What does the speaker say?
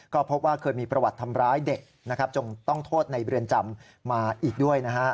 ก็พบว่าเคยมีประวัติทำร้ายเด็กนะครับจงต้องโทษในเรือนจำมาอีกด้วยนะฮะ